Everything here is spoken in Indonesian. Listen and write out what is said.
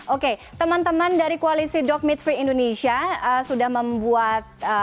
oke teman teman dari koalisi dogmith free indonesia sudah membuat